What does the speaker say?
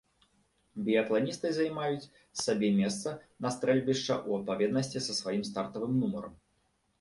Біятланісты займаюць сабе месца на стрэльбішча ў адпаведнасці са сваім стартавым нумарам.